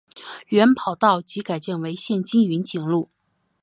原跑道即改建为现今云锦路。